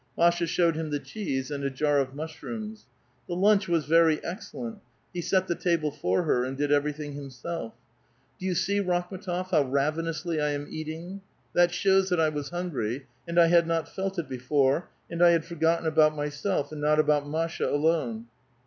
Masha showed him the cheese, and a jar of mushrooms. The lunch was very excellent. He set the table for her, and did everything himself. *' Do 3'ou see, Rakhm6tof, how ravenously I am eating? That shows that I was hungry ; and 1 had not felt it before, and I had forgotten about myself, and not about Masha alone.